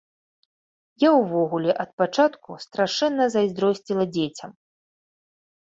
Я ўвогуле ад пачатку страшэнна зайздросціла дзецям.